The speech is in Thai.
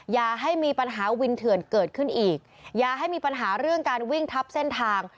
อย่าให้มีปัญหาวินเถื่อนเกิดขึ้นอีกอย่าให้มีปัญหาเรื่องการวิ่งทับเส้นทาง